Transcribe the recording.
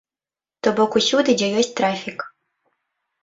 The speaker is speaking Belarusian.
То бок усюды, дзе ёсць трафік.